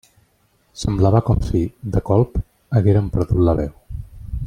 Semblava com si, de colp, hagueren perdut la veu.